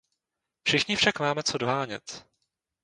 Všichni však máme co dohánět.